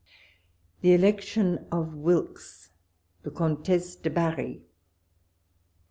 THE ELECTION OE WILKES^THE COMTESSE 1)E BABIII.